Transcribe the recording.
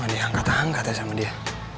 wadih angkat angkat ya sama dia